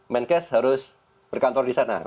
menkes harus berkantor di sana